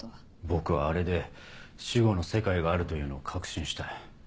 僕はあれで死後の世界があるというのを確信した。